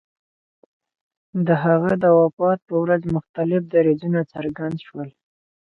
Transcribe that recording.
د هغه د وفات په ورځ مختلف دریځونه څرګند شول.